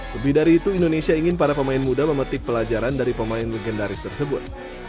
lebih dari itu indonesia ingin para pemain muda memetik pelajaran dari pemain legendaris tersebut